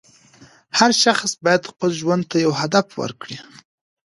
هر شخص باید خپل ژوند ته یو هدف ورکړي.